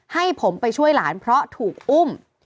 ให้ผมไปช่วยหลานเพราะถูกอุ้ม